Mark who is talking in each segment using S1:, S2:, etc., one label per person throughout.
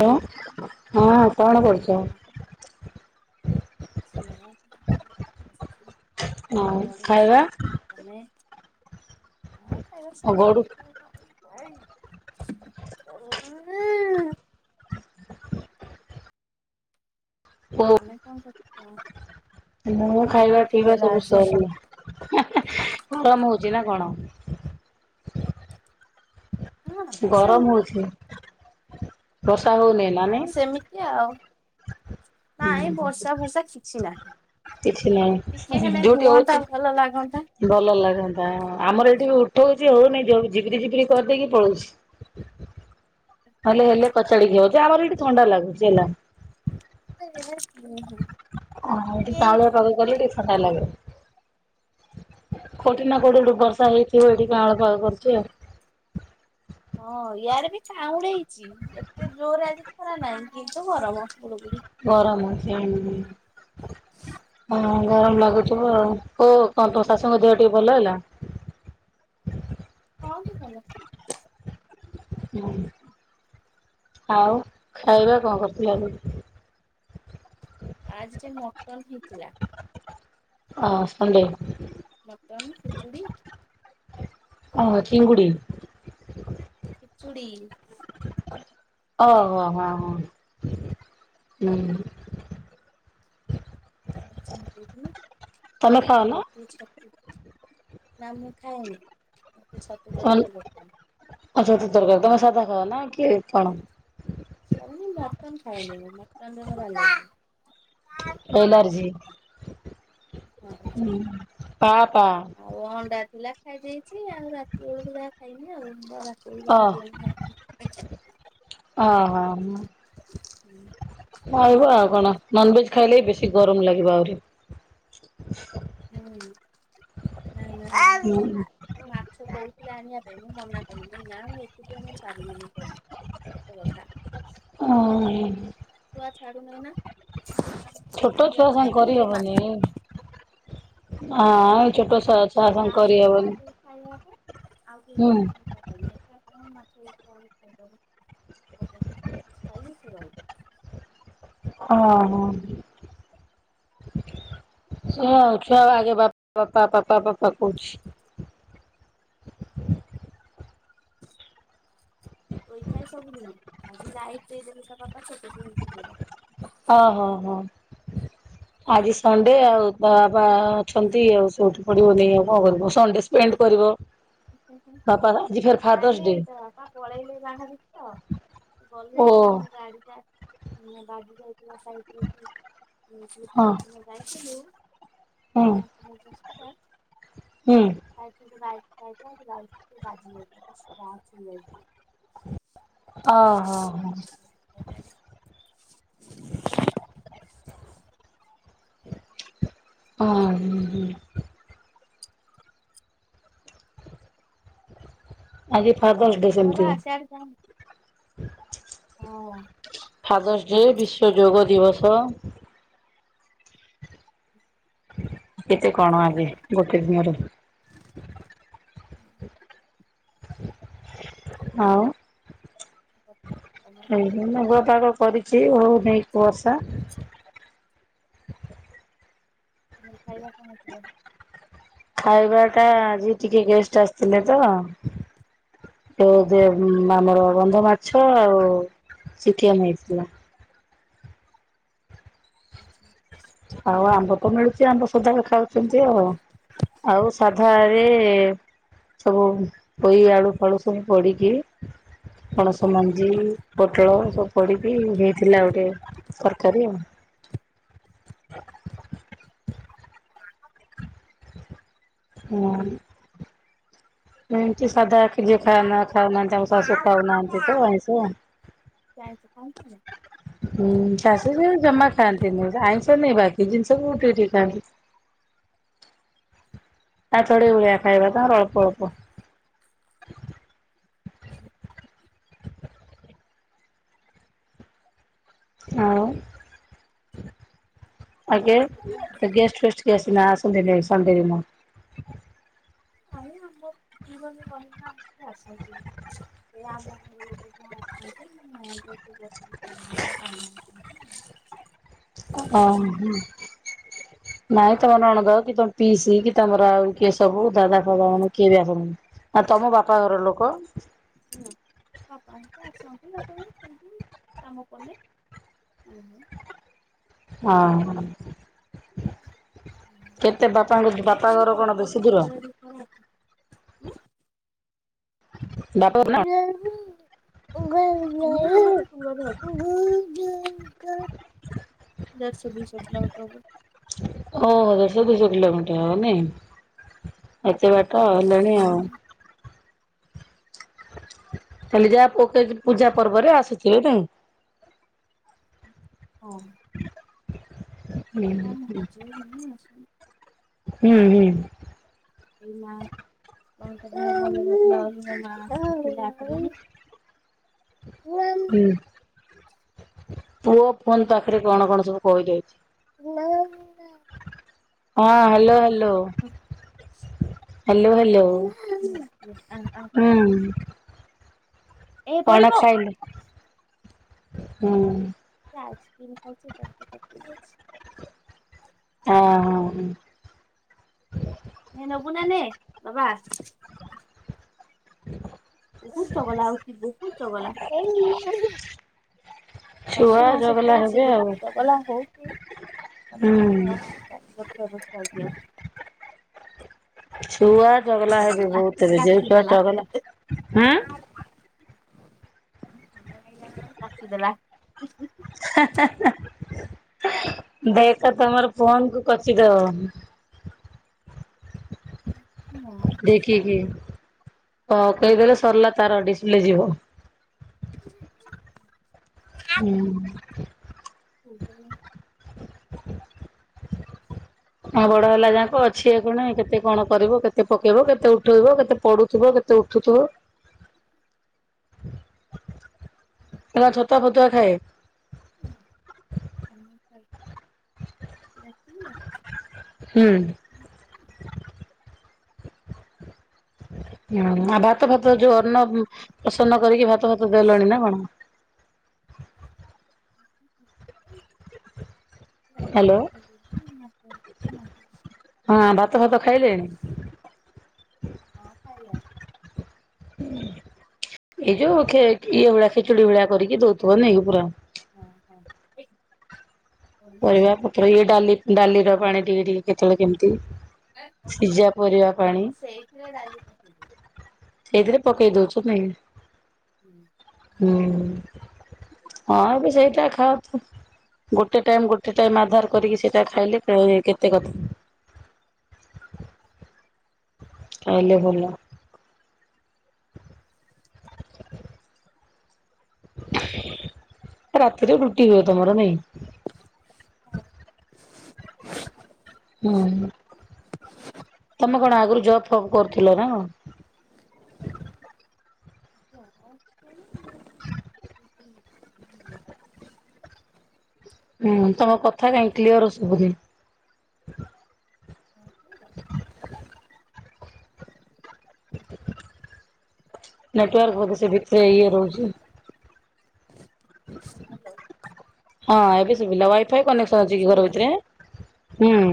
S1: ହ ହଁ କଣ କରୁଛ?
S2: କିଛି ନାଇଁ
S1: ହଁ
S2: ଗଡୁଛି।
S1: ଖାଇବା
S2: ତମେ? ହଁ ଖାଇବା
S1: ଆଉ
S2: ସରିଲାଣି
S1: ଗଡୁ
S2: କେତେ ବେଳୁ। [unintelligible]
S1: କୋଉ
S2: ତମେ କଣ କରୁଛ?
S1: ମୁଁ ଖାଇବା ପିଇବା ସବୁ ସରିଲା। ଗରମ ହଉଚି ନା କଣ? ଗରମ ହଉଛି। ବର୍ଷା ହଉ
S2: ହଁ ସେମିତି ଆଉ ନାଇଁ ବର୍ଷା ଫର୍ଷା କିଛି ନାହିଁ।
S1: କିଛି
S2: ଟିକେ
S1: ନାହିଁ
S2: ହେଲେ
S1: ଯୋଉଠି ହଉଛି
S2: ହୁଅନ୍ତା ଭଲ ଲାଗନ୍ତା।
S1: ଭଲ ଲାଗନ୍ତା ଆମର ଏଠି ବି ଉଠଉଛି ହଉନି ଝପିରି ଝିପିରି କରିଦେଇକି ପଳଉଛି। ହେଲେ ହେଲେ ପଚାଡିକି ହଉଛି ଆମର ଏଇଠି ଥଣ୍ଡା ଲାଗୁଛି ହେଲା।
S2: ଉଁ ହୁଁ।
S1: ହିଁ ତାଉଳିଆ ପାଗ କଲେ ଟିକେ ଥଣ୍ଡା ଲାଗେ। କୋଉଠି ନା କୋଉଠିଠୁ ବର୍ଷା ହେଇଥିବ, ଏଠି କାଁଳ କଳ କରୁଛି ଆଉ।
S2: ହଁ ୟାର ବି କାଉଁଳେଇଛି। ଏତେ ଜୋରରେ ଆଜି ଖରା ନାହିଁ କିନ୍ତୁ ଗରମ ଗୁୁଳି ଗୁୁଳି।
S1: ଗରମ ହଉଛି। [unintelligible] ହଁ ଗରମ ଲାଗୁଥିବ ଆଉ ଓ କଣ ତମ ଶାଶୁଙ୍କ ଦେହ ଟିକେ ଭଲ ହେଲା?
S2: ହଁ ସେ ଭଲ।
S1: ହଁ ଆଉ ଖାଇବା କଣ କରୁଥିଲା ବେ
S2: ଆଜି ଟି ମଟନ ହେଇଥିଲା।
S1: ହଁ ସଣ୍ଡେ।
S2: ମଟନ୍ ଖିଚୁଡ଼ି।
S1: ଓ ଚିଙ୍ଗୁଡ଼ି।
S2: ଖିଚୁଡ଼ି।
S1: [unintelligible] ଓହୋ ହୋ ହ ହୁଁ।
S2: [unintelligible]
S1: ତମେ
S2: ନା
S1: ଖାଅ ନା
S2: ମୁଁ ଖାଏନି ମତେ ଛତୁ
S1: ଆଚ୍ଛା
S2: ତରକାରୀ
S1: [unintelligible] ଛତୁ ତରକାରୀ ତମେ ସାଧା ଖାଅ ନା କିଏ କଣ?
S2: [unintelligible] ମଟନ ଖାଇବିନି ମଟନ ରେ ମୋର ଆଲାର୍ଜି।
S1: ଏଲାର୍ଜି ପା ପା
S2: ଆଉ ଅଣ୍ଡା ଥିଲା ଖାଇ ଦେଇଛି ଆଉ ରାତି ବେଳକୁ ଯାହା ଖାଇମି ଆଉ ବରା
S1: ଓ ଓହୋ
S2: [unintelligible] ବିରିଆନି [unintelligible]
S1: ଖାଇବୁ ଆଉ କଣ ନନଭେଜ୍ ଖାଇଲେ ବି ବେଶୀ ଗରମ ଲାଗିବ ଆହୁରି।
S2: ହୁଁ
S1: ହୁଁ
S2: ଉଁ ମାଛ କହୁଥିଲେ ଆଣିବା ପାଇଁ ମୁଁ ମନା କଲି ନା ମୁଁ ଏକୁଟିଆ ମୁଁ ପାରିବିନି କରି। ଏତେ ବର୍ଷା
S1: ଓ ହୋ।
S2: ଛୁଆ ଛାଡୁ ନାହିଁ ନା
S1: ଛୋଟ
S2: ଏକୁଟିଆ
S1: ଛୁଆ ସାଙ୍ଗେ
S2: ଖାଇବି ଯେ
S1: କରିହବନି
S2: ମାଛ
S1: ହଁ ଏ ଛୋଟଛୁଆ ଅ
S2: ଆଉ କିଏ ଥାନ୍ତେ କି ଖାଇବା ପାଇଁ ଆଉ କେହି
S1: ହୁଁ
S2: ନାହାଁନ୍ତି ମୁଁ ଏକା ଖାଇବି। କଣ ମାଛ [unintelligible] ଖାଇବ ଗୋଟେ ଦି ପିସ୍ ଖାଇଲେ ସେ ରହିିବ।
S1: ଓ ହୋ। ସେ ଆଉ ଛୁଆ ଆଗେ ବାପା ବା ପାପା ପାପା କହୁଛି। [inaudible]
S2: ଶୋଇଥାଏ ସବୁ ଦିନି ଆଜି ଲାଇଟ୍ ଦେଇଦେଲେ ତା ବାପା ସେଠୁ ସିଏ ଉଠି ପଡ଼ିଲା।
S1: ଓ ହୋ ହୋ ଆଜି ସଣ୍ଡେ ଆଉ ତା ବାବା ଅଛନ୍ତି ଆଉ ସେ ଉଠି ପଡ଼ିବନି ଆଉ କଣ କରିବ ସଣ୍ଡେ ସ୍ପେଣ୍ଡ୍ କରିବ। ବାପା ଆଜି ଫେରେ ଫାଦରସ୍ ଡେ।
S2: ବାପା ପଳେଇଲେ ବାହାରିକି ତ ‌ଗଲେ
S1: ଓ
S2: ସେ ଆମ ଗାଡ଼ି ଟା ବାଜି ଯାଇଥିଲା ସାଇଟି ରୁ [unintelligible] ଯୋଉ
S1: ହଁ
S2: ପହରଦିନ ଯାଇଥିଲୁ।
S1: ହୁଁ
S2: ଆମ [unintelligible]
S1: ହୁଁ।
S2: [unintelligible] ସ୍କାଚ୍ ହେଇଯାଇଛି।
S1: ଓ ହୋ ହୋ।
S2: [unintelligible]
S1: ହଁ। ଆଜି ଫାଦର୍ସ ଡେ ସେମିତି ବି। ଫାଦର୍ସ ଡେ ବିଶ୍ଵ ଯୋଗ ଦିବସ। କେତେ କଣ ଆଜି ଗୋଟେ ଦିନରେ। ଆଉ [unintelligible] ମେଘୁଆ ପାଗ କରିଛି ହୋଉନାହିଁ ବର୍ଷା।
S2: ହ ଆଜି ଖାଇବା କଣ ହେଇଥିଲା?
S1: ଖାଇବା ଟା ଆଜି ଟିକେ ଗେଷ୍ଟ୍ ଆସିଥିଲେ ତ ଯୋଉ ଆମର ବନ୍ଧ ମାଛ ଆଉ ଚିକେନ୍ ହେଇଥିଲା।
S2: ଆ
S1: ଆଉ ଆମ୍ବ ତ ମିଳୁଛି ଆମ୍ବ ସଦାବେଳେ ଖାଉଛନ୍ତି ଆଉ। ଆଉ ସାଧାରେ ସବୁ ପୋଇ ଆଳୁ ଫାଳୁ ସବୁ ପଡି଼କି ପଣସ ମଞ୍ଜି, ପୋଟଳ, ସବୁ ପଡି଼କି ହେଇଥିଲା ଗୋଟେ ତରକାରୀ ଆଉ ହହହ ହୁଁ। ଏମିତି ସାଧା ଯିଏ ଖା ଖାଉନାହାନ୍ତି ଆମ ଶାଶୁ ଖାଉନାହାନ୍ତି ତ ଆଇଁଷ ହୁଁ ଶାଶୁ ବି ଜମା ଖାଆନ୍ତିନି, ସେ ଆଇଁଷ ନାହିଁ ବାକି ଜିନିଷ କୁ ଟିକେ ଟିକେ ଖାଆନ୍ତି। ତା ଚଢ଼େଇ ଭଳିଆ ଖାଇବା ତାଙ୍କର ଅଳ୍ପ-ଅଳ୍ପ।
S2: ହ
S1: ଆଉ ଗେ ଗେଷ୍ଟ ଫେଷ୍ଟ ସିନା ଆସନ୍ତିନି ସନଡେ୍ ଦିନ।
S2: ନାଇଁ ଆମ କିଭଳି ମହିମା ଆମ ଘରକୁ ଆସନ୍ତିନି, ସେ ଆମ ଘର ଲୋକ [inaudible]
S1: ଓହୋ। ନାଇଁ ତମ ନଣନ୍ଦ କି ତମ ପିଇସି କି ତମର ଆଉ କିଏ ସବୁ ଦାଦା ଭଗବାନ କିଏ ବି ଆସନ୍ତିନି, ଆ ତମ ବାପାଘର ଲୋକ
S2: ହୁଁ ବାପା ହେରିକା ଆସନ୍ତି ସେମତି କାମ ପଡ଼ିନେ। ଓହୋ।
S1: ହଁ। କେତେ ବାପାଙ୍କ ବାପାଘର କଣ ବେଶୀ ଦୂର?
S2: ହଁ।
S1: [unintelligible]
S2: [inaudible] ଦେଢ଼ସ ଦୁଇଶ ପିଲା [unintelligible]
S1: ଓ ହୋ ଦେଢ଼ସ ଦୁଇଶହ କିଲୋମିଟର ହବ ନାଇଁ, ଏତେ ବାଟ ହେଲେଣି ଆଉ। ଖାଲି ଯାହା ପକେଇଚି ପୂଜା ପର୍ବରେ ଆସିଚି [unintelligible]
S2: ହଁ।
S1: ହ
S2: [unintelligible]
S1: ହୁଁ-ହୁଁ।
S2: [inaudible] [inaudible]
S1: ହୁଁ ପୁଅ ଫୋନ୍ ପାଖେରେ କଣ-କଣ ସବୁ କହିଦଉଚି।
S2: [inaudible]
S1: ହଁ ହାଲୋ ହାଲୋ। ହାଲୋ ହାଲୋ ହୁଁ। କଣ ଖାଇଲେ ହୁଁ।
S2: ଆଇସ୍ କ୍ରିମ୍ ଖାଇଚି [unintelligible]
S1: ହଁ-ହଁ।
S2: ହେଁ ନବୁନା ନେ ବାବା। ବହୁତ୍ ଚଗଲା ହଉଚି ବହୁତ୍ ଚଗଲା।
S1: ଛୁଆ
S2: ଦଶ ମାସ
S1: ଚଗଲା
S2: ଛୁଆ ସେ
S1: ହେବେ ଆଉ
S2: ଯେତେ ଚଗଲା ହଉଛି
S1: ହୁଁ
S2: ତମେ କହିବ [unintelligible]
S1: ଛୁଆ ଚଗଲା ହେବେ ବହୁତ୍ ହେବେ, ଯୋଉ ଛୁଆ ଚଗଲା ହୁଁ।
S2: [unintelligible]
S1: ହେ-ହେ-ହେ। ଦେଖ ତମର ଫୋନ୍ କୁ କଚିଦବ।
S2: ନାଁ।
S1: କି-କି ହ କହିଦେଲେ ସରିଲା ତାର ଡିସପ୍ଲେ ଯିବ।
S2: [inaudible]
S1: ହୁଁ।
S2: [inaudible]
S1: ହଁ ବଡ ହେଲା ଯାକ ଅଛି ଏ କଣ କେତେ କଣ କରିବ କେତେ ପକେଇବ କେତେ ଉଠେଇବ କେତେ ପଡୁଥିବ କେ ତେ ଉଠୁଥିବ। ଏରା ଛତୁଆ ଫତୁଆ ଖାଏ।
S2: ହଛି ନା [unintelligible]
S1: ହୁଁ। ହୁଁ। ଆଭା ଭାତ ଫାତ ଯୋଉ ଅନ୍ନ ପ୍ରସନ୍ନ କରିକି ଭାତ ଭାତ ଦେଲେଣି ନା କଣ? ହ୍ୟାଲୋ
S2: ହ
S1: ହଁ ଭା ଭାତ ଫାତ ଖାଇଲେଣି? ଏଇ ଯୋଉ ଖେ ଇଏ ଭଳିଆ ଖେଚୁଡି ଭଳିଆ କରିକି ଦଉଥିବ ନାଇ କି ପୁରା
S2: ହଁ ହଁ ଏଇ କି
S1: ପରିବା ପତ୍ର ଇଏ ଡାଲି ଡାଲି ର ପାଣି ଟିକେ ଟିକେ କେତେବେଳେ କେମିତି ସିଝା ପରିବା ପାଣି ସେଇଥିରେ ପକେଇ ଦଉଛୁ ନାଇଁ କି?
S2: ହୁଁ।
S1: ହୁଁ ହଁ ଏବେ ସେଇଟା ଖାଆତୁ ଗୋଟେ ଟାଇମ୍ ଗୋଟେ ଟାଇମ୍ ଆଧାର କରିକି ସେଇଟା ଖାଇଲେ କେତେ କଥା। ଖାଇଲେ ଭଲ। ରାତିରେ ରୁଟି ହୁଏ ତମର ନାଇଁ?
S2: ହଁ।
S1: ହୁଁ। ତମେ କଣ ଆଗରୁ ଜବ୍ ଫବ୍ କରୁଥିଲ ନା କଣ? ହୁଁ। ତମ କଥା କାଇଁ କ୍ଲିୟର ଶୁଭୁନି? ନେଟୱାର୍କ ବୋଧେ ସେ ଭିତ୍ରେ ଇଏ ରହୁଛି। ହଁ ଏବେ ସୁଭିଲା ୱାଇଫାଇ କନେକ୍ସ
S2: ଶୁଭିଲା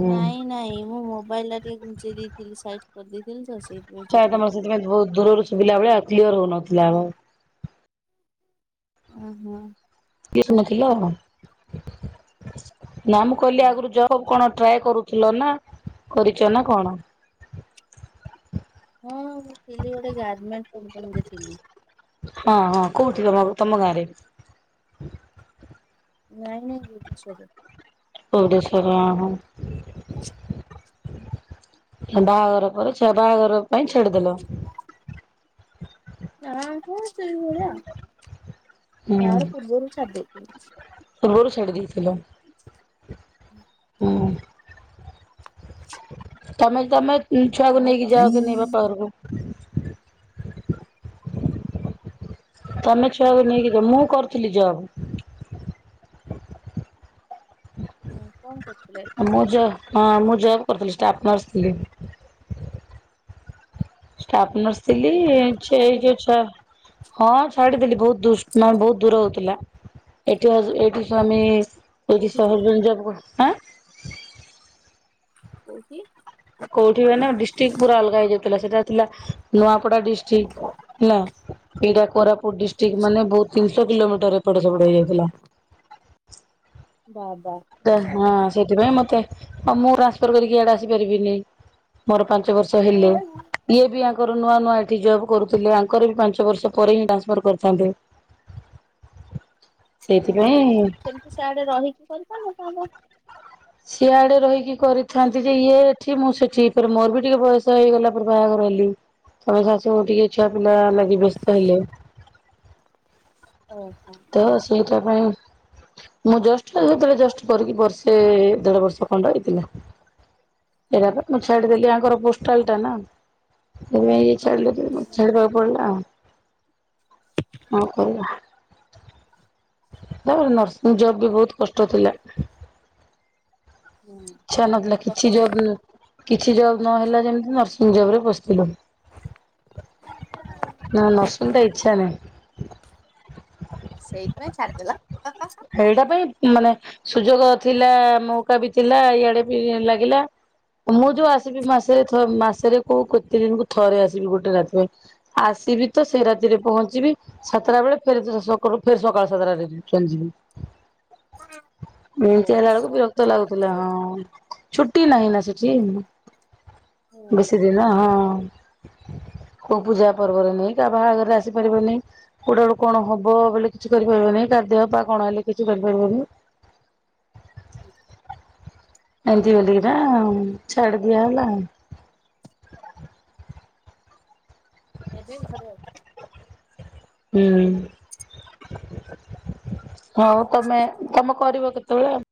S1: ହୁଁ
S2: ନାଇଁ-ନାଇଁ ମୁଁ ମୋବାଇଲରେ ଟିକେ ଘୁଞ୍ଚେଇ ଦେଇଥିଲି ସାଇଡ୍ କରିଦେଇଥିଲି ତ ସେଇଥି
S1: ପ୍ରାୟ ତମର ସେଥିପାଇଁ ବହୁତ ଦୂରରୁ ଶୁଭିଲା ଭଳିଆ କ୍ଲିୟର ହଉନଥିଲା ଆଉ।
S2: ଉ ହୁଁ।
S1: କିଏ [unintelligible] ଶୁଣିଥିଲ ନା ମୁଁ କହିଲି ଆଗରୁ ଜ ସବୁ କଣ ଟ୍ରାଏ କରୁଥିଲ ନା କରିଚ ନା କଣ?
S2: ହଁ ମୁଁ ଥିଲି ଗୋଟେ ଗାର୍ମେଣ୍ଟ କମ୍ପାନୀରେ ଥିଲି।
S1: ହଁ ହଁ କୋଉଠି ତମ ତମ ଗାଁ ରେ?
S2: ନାଇଁ ନାଇଁ ଭୁବନେଶ୍ବର ରେ।
S1: ଓଡେଶ୍ୱର୍ ଆ ହାଁ। ବାହାଘର ପରେ ବାହାଘର ପାଇଁ ଛାଡିଦେଲ।
S2: [unintelligible] ହଁ ସେ ସେଇଭଳିଆ ଆଉ।
S1: ହୁଁ
S2: ବାହାଘର ପୂର୍ବରୁ ଛାଡିଦେଇଥିଲି।
S1: ପୂର୍ବରୁ ଛାଡିଦେଇଥିଲ? ହୁଁ। ତମେ-ତମେ ଛୁଆକୁ ନେଇକି ଯାଅ କି ନାଇଁ ବାପା ଘରକୁ? ତମେ ଛୁଆକୁ ନେଇକି ମୁଁ କରୁଥିଲି ଜବ୍।
S2: ହୁଁ କଣ କରୁ
S1: ମୁଁ ଜବ ହଁ ମୁଁ ଜବ୍ କରିଥିଲି ଷ୍ଟାଫ୍ ନର୍ସ ଥିଲି। ଷ୍ଟାଫ୍ ନର୍ସ ଥିଲି। ଛେଇ ଯୋଉ ଛା ହଁ ଛାଡିଦେଲି ବହୁତ ଦୁଶ ବହୁତ ଦୂର ହଉଥିଲା। ଏଠି ହଜ୍ ଏଠି ସ୍ୱାମୀ [unintelligible]
S2: କୋଉଠି?
S1: କୋଉଠି ମାନେ ଡିଷ୍ଟ୍ରିକ୍ ପୁରା ଅଲଗା ହେଇଯାଉଥିଲା। ସେଟା ଥିଲା ନୂଆପଡା ଡିଷ୍ଟ୍। ଟିକ୍ ନା ଏଇଟା କୋରାପୁଟ ଡିଷ୍ଟ୍ରିକ୍ଟ ମାନେ ବହୁତ୍ ତିନିସ କିଲୋମିଟର ଏପଟ ସେପଟ ହେଇଯାଇଥିଲା।
S2: ବାଦ୍‌
S1: ହଁ ସେଥିପାଇଁ ମତେ ମୁଁ ଟ୍ରାନ୍ସଫର କରିକି ଇଆଡ଼େ ଆସିପାରିବିନି। ମୋର ପାଞ୍ଚ ବର୍ଷ ହେଲେ ଇଏ ବି ଆଗରୁ ନୂଆ-ନୂଆ ଏଠି ଜବ୍ କରୁଥିଲେ। ଆ ଙ୍କର ବି ପାଞ୍ଚ ବର୍ଷ ପରେ ହିଁ ଟ୍ରାନ୍ସଫର୍ କରିଥାନ୍ତେ।
S2: ଓହୋ
S1: ସେଇଥିପାଇଁ
S2: ସେମିତି ସିଆଡେ ରହିକି କରିପାରିନଥାନ୍ତ?
S1: ସିଆଡେ ରହିକି କରିଥାନ୍ତି ଯେ, ଇଏ ଏଠି ମୁଁ ସେଠି ଫେର୍ ମୋର ବି ଟିକେ ବୟସ ହେଇଗଲା ପରେ ବାହାଘର ହେଲି। ଆମ ଶାଶୁ ବି ଟିକେ ଛୁଆ ପିଲା ଲାଗି ବ୍ୟସ୍ତ ହେଲେ।
S2: ଓହୋ।
S1: ତ ସେଇଟା ପାଇଁ ମୁଁ ଜଷ୍ଟ ତ ଭିତରେ ଜଷ୍ଟ କରିକି ବର୍ଷେ ଦେଢ ବର୍ଷ ଖଣ୍ଡେ ହେଇଥିଲା। ଇରା ମୁଁ ଛାଡଦେଲି ଆଙ୍କର ପୋଷ୍ଟାଲ ଟ। ନା ସେଥିପାଇଁ ଇଏ ଛାଡିଲେ ଛାଡ଼ିବାକୁ ପଡିଲା ଆଉ। କଅଁ କରିହା। ତ ନର୍ସିଂ ଜବ୍ ବି ବହୁତ କଷ୍ଟ ଥିଲା।
S2: ଉଁ
S1: ଇଚ୍ଛା ନଥିଲା କିଛି ଜବ୍ କିଛି ଜବ୍ ନହେଲା ଯେମିତି ନର୍ସିଂ ଜବ ରେ ପସିଥିଲୁ। ନା ନର୍ସିଙ୍ଗ୍ ଟା ଇଚ୍ଛା ନାଇଁ।
S2: ସେଇଥିପାଇଁ ଛାଡିଦେଲ।
S1: ହେଇଟା ପାଇଁ ମାନେ ସୁଯୋଗ ଥିଲା ମଉକା ବି ଥିଲା ଇଆଡେ ବି ଲାଗିଲା ମୁଁ ଯୋଉ ଆସିକି ମାସେରେ ଥ ମାସରେ କୋଉ କୋତେ ଦିନକୁ ଥରେ ଆସିବି ଗୋଟେ ରାତି ପାଇଁ। ଆସିବି ତ ସେ ରାତିରେ ପହଞ୍ଚିବି ସାତଟା ବେଳେ ଫେର୍ ସକ ଫେର୍ ସକାଳ ସାତଟା ଚାଲଯିବି। ଏମିତେ ଆଇଲା ବେଳକୁ ବିଅକ୍ତ ଲାଗୁଥିଲା ହଁ। ଛୁଟି ନାହିଁ ନା ସେଠି ବେଶୀ ଦିନ ହଁ। କୋଉ ପୂଜା ପର୍ବରେ ନେଇ କାହା ବାହାଘରେ ଆସି ପାରିବନି। କୋଉଟା ଳୁ କଣ ହବ ବୋଲି କିଛି କରିପାରିବନି କାଆ ଦେଅ ପା କଣ ହେଲେ କିଛି କରିପାରିବନି।
S2: ଉ।
S1: [unintelligible] ଛାଡ଼ଦିଆ ଏଲା।
S2: ଏବେ ଘରେ ଅଛ
S1: ହୁଁ। ହଉ ତମେ ତମେ କରିବ କେତେବେଳେ ଆଉ?